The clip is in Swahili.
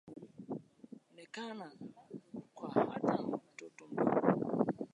nekana kwa hata mtoto mdogo